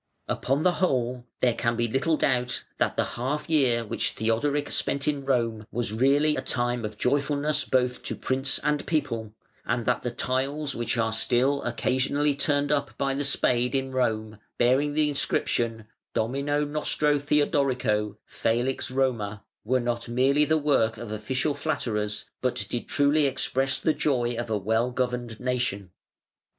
Upon the whole, there can be little doubt that the half year which Theodoric spent in Rome was really a time of joyfulness both to prince and people, and that the tiles which are still occasionally turned up by the spade in Rome, bearing the inscription "Domino Nostro Theodorico Felix Roma", were not merely the work of official flatterers, but did truly express the joy of a well governed nation.